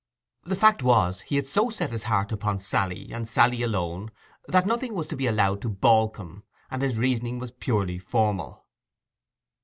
The fact was he had so set his heart upon Sally, and Sally alone, that nothing was to be allowed to baulk him; and his reasoning was purely formal.